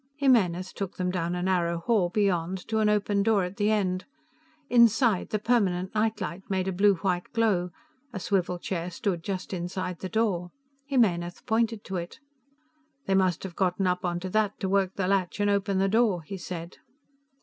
Jimenez took them down a narrow hall beyond to an open door at the end. Inside, the permanent night light made a blue white glow; a swivel chair stood just inside the door. Jimenez pointed to it. "They must have gotten up on that to work the latch and open the door," he said.